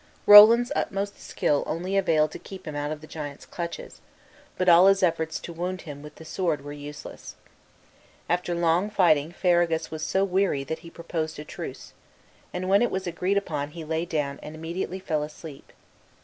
Roland's utmost skill only availed to keep him out of the giant's clutches, but all his efforts to wound him with the sword were useless. After long fighting Ferragus was so weary that he proposed a truce, and when it was agreed upon he lay down and immediately fell asleep.